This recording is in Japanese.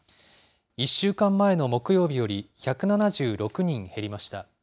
１週間前の木曜日より１７６人減りました。